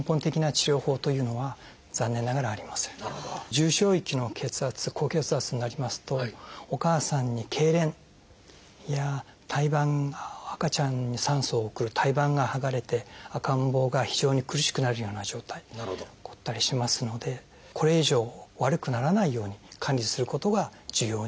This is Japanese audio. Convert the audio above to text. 重症域の高血圧になりますとお母さんにけいれんや赤ちゃんに酸素を送る胎盤がはがれて赤ん坊が非常に苦しくなるような状態起こったりしますのでこれ以上悪くならないように管理することが重要になってきます。